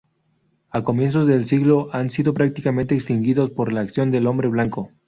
A comienzos del siglo han sido prácticamente extinguidos por la acción del hombre blanco.